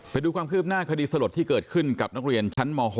ไปดูความคืบหน้าคดีสลดที่เกิดขึ้นกับนักเรียนชั้นม๖